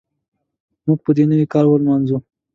موږ به نوی کال ولمانځو.